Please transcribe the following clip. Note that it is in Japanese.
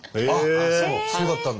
そうだったんだ。